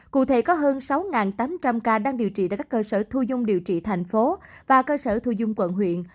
cụ thể có hơn sáu tám trăm linh ca đang điều trị tại các cơ sở thu dung điều trị thành phố và cơ sở thu dung quận huyện